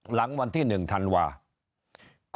หลังวันที่๑ธันวาคม